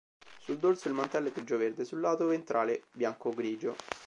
Sul dorso il mantello è grigio-verde, sul lato ventrale bianco-grigio.